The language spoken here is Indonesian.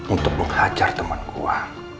untuk menghajar temen gua